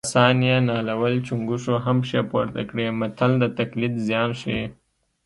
اسان یې نالول چونګښو هم پښې پورته کړې متل د تقلید زیان ښيي